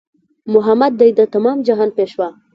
محمد دی د تمام جهان پېشوا